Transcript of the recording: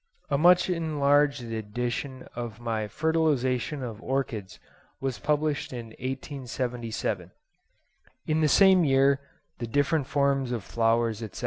A much enlarged edition of my 'Fertilisation of Orchids' was published in 1877. In this same year 'The Different Forms of Flowers, etc.